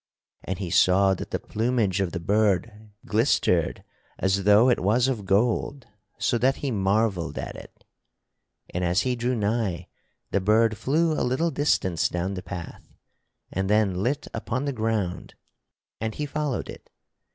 And he saw that the plumage of the bird glistered as though it was of gold so that he marvelled at it. And as he drew nigh the bird flew a little distance down the path and then lit upon the ground and he followed it.